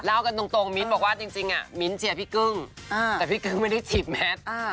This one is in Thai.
กันตรงมิ้นท์บอกว่าจริงมิ้นท์เชียร์พี่กึ้งแต่พี่กึ้งไม่ได้จีบแมท